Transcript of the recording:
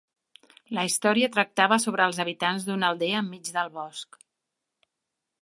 La història tractava sobre els habitants d'una aldea enmig del bosc.